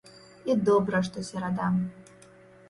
І добра, што серада.